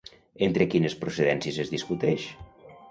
Entre quines procedències es discuteix?